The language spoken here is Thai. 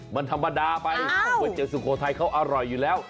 มันธรรมดาไปก๋วยเตี๋ยสุโขทัยเขาอร่อยอยู่แล้ว